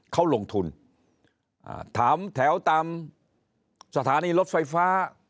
เขาลงทุนถามแถวตามสถานีรถไฟฟ้า